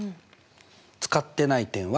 使ってない点は？。